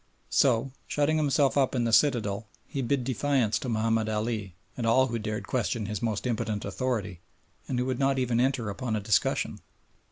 So, shutting himself up in the citadel, he bid defiance to Mahomed Ali and all who dared question his most impotent authority, and would not even enter upon a discussion.